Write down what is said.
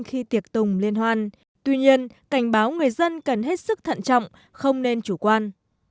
khi tiệc tùng liên hoan tuy nhiên cảnh báo người dân cần hết sức thận trọng không nên chủ quan